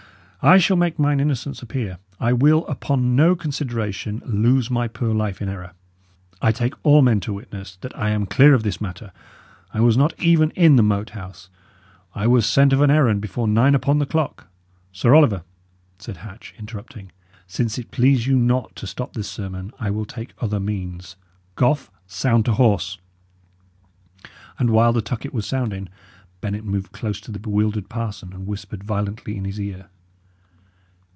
"I shall make mine innocence appear. I will, upon no consideration, lose my poor life in error. I take all men to witness that I am clear of this matter. I was not even in the Moat House. I was sent of an errand before nine upon the clock" "Sir Oliver," said Hatch, interrupting, "since it please you not to stop this sermon, I will take other means. Goffe, sound to horse." And while the tucket was sounding, Bennet moved close to the bewildered parson, and whispered violently in his ear.